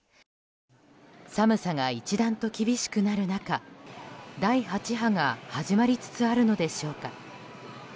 寒さが一段と厳しくなる中第８波が始まりつつあるのでしょうか。